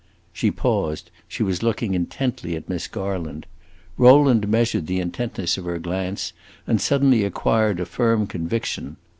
She paused; she was looking intently at Miss Garland. Rowland measured the intentness of her glance, and suddenly acquired a firm conviction.